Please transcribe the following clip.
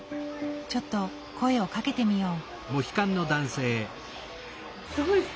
ちょっと声をかけてみよう。